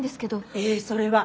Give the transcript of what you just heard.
えぇそれは。